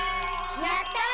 やったね！